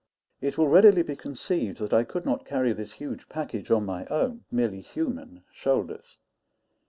It will readily be conceived that I could not carry this huge package on my own, merely human, shoulders.